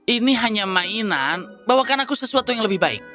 ini hanya mainan bawakan aku sesuatu yang lebih baik